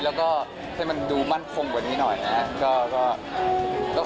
แล้วก็ให้มันดูมั่นคงกว่านี้หน่อยนะครับก็ก็คนนี้แหละ